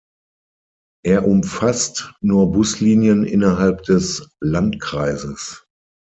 Er umfasst nur Buslinien innerhalb des Landkreises.